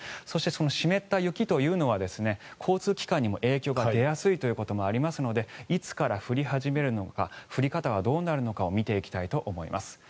そして、湿った雪というのは交通機関にも影響が出やすいということもありますのでいつから降り始めるのか降り方はどうなるのかを見ていきたいと思います。